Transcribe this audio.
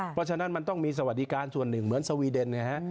เพราะฉะนั้นมันต้องมีสวัสดิการส่วนหนึ่งเหมือนสวีเดนนะฮะ